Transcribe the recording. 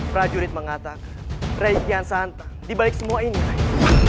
prajurit mengatakan rai kiasantang dibalik semua ini rai